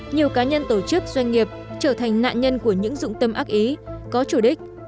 nhiều cá nhân tổ chức doanh nghiệp trở thành nạn nhân của những dụng tâm ác ý có chủ đích